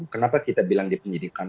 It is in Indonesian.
kenapa kita bilang di penyidikan